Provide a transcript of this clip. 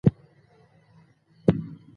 که هیلمټ په سر کړو نو سر نه ماتیږي.